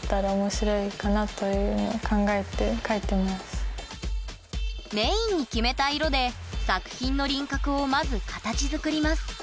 全然メインに決めた色で作品の輪郭をまず形づくります。